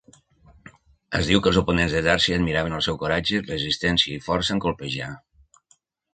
Es diu que els oponents de Darcy admiraven el seu coratge, resistència i força en colpejar.